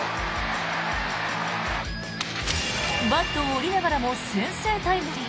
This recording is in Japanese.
バットを折りながらも先制タイムリー。